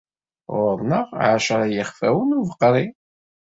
Ɣur-neɣ ɛecra n yixfawen ubeqri.